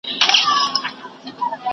څېړونکی د موضوع مخینه ګوري.